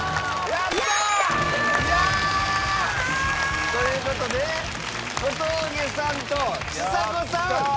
やったー！という事で小峠さんとちさ子さん